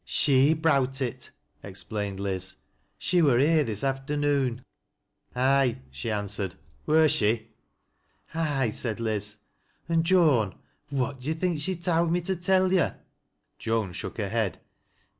" She browt it," explained Liz, " she wur here this after noon." " Aye," she answered, " wur she ?"" Aye," said Liz. " An', Joan, what do yo' think she towd me to tell yo' ?" Joan shook her head.